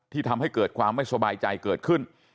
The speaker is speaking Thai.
ทำให้เกิดความไม่สบายใจเกิดขึ้น